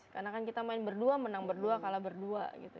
karena kan kita main berdua menang berdua kalah berdua gitu